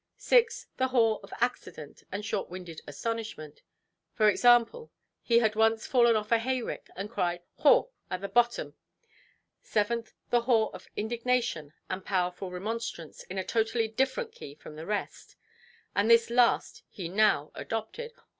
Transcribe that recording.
Sixth, the haw of accident and short–winded astonishment; e.g. he had once fallen off a hayrick, and cried "Haw"! at the bottom. Seventh, the haw of indignation and powerful remonstrance, in a totally different key from the rest; and this last he now adopted.